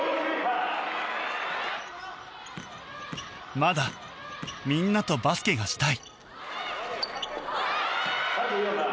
まだ、みんなとバスケがしたい。